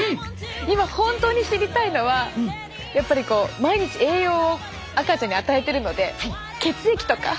今本当に知りたいのはやっぱり毎日栄養を赤ちゃんに与えてるので血液とか？